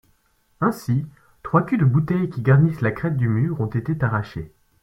Ainsi, trois culs de bouteille qui garnissent la crête du mur ont été arrachés.